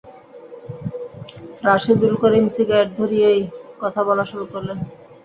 Rashedul Karim cigarette ধরিয়েই কথা বলা শুরু করলেন।